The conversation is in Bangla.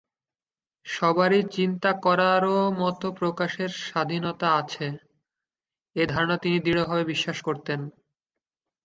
সবারই চিন্তা করার ও মত প্রকাশের স্বাধীনতা আছে, এ ধারণায় তিনি দৃঢ়ভাবে বিশ্বাস করতেন।